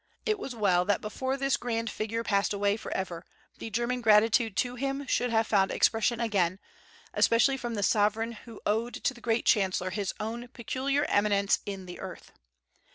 It was well that before this grand figure passed away forever "the German gratitude" to him should have found expression again, especially from the sovereign who owed to the great chancellor his own peculiar eminence in the earth.